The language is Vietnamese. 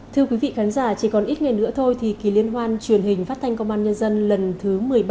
thưa quý vị khán giả chỉ còn ít ngày nữa thôi thì kỳ liên hoan truyền hình phát thanh công an nhân dân lần thứ một mươi ba